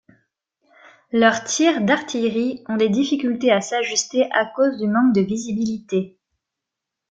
Leurs tirs d'artillerie ont des difficultés à s'ajuster à cause du manque de visibilité.